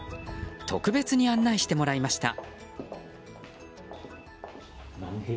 特別に案内してもらいました。